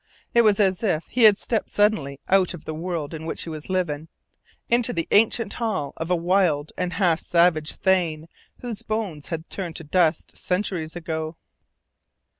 It was as if he had stepped suddenly out of the world in which he was living into the ancient hall of a wild and half savage thane whose bones had turned to dust centuries ago.